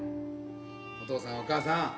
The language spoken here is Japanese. お父さんお母さん